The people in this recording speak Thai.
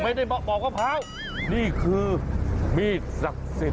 ไม่ได้ปอกมะพร้าวนี่คือมีดศักดิ์สิทธิ